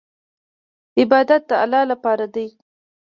عبادت د الله لپاره دی.